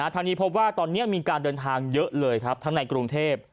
ทางนี้พบว่าตอนนี้มีการเดินทางเยอะเลยครับทั้งในกรุงเทพ